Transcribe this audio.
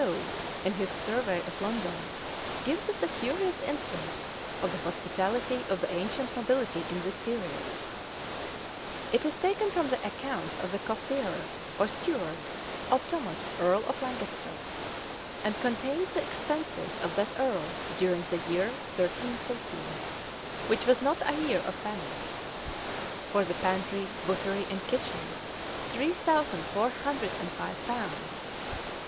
Stowe, in his Survey of London, gives us a curious instance of the hospitality of the ancient nobility in this period; it is taken from the accounts of the cofferer or steward of Thomas earl of Lancaster, and contains the expenses of that earl during the year 1313, which was not a year of famine. For the pantry, buttery, and kitchen, three thousand four hundred and five pounds.